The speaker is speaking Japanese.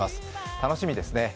楽しみですね。